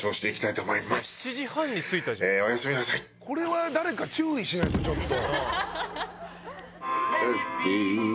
これは誰か注意しないとちょっと。